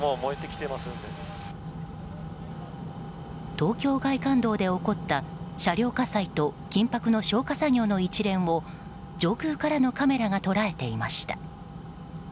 東京外環道で起こった車両火災と緊迫の消火作業の一連を上空からのカメラが捉えていました。